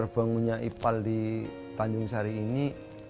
terbangunnya ipal di tanjung sari ini